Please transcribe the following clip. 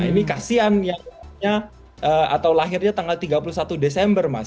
ini kasian yang atau lahirnya tanggal tiga puluh satu desember mas